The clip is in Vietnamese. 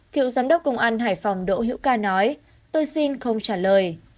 cựu giám đốc công an hải phòng đỗ hiễu ca nói tôi xin không trả lời